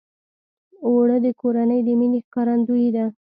اوړه د کورنۍ د مینې ښکارندویي ده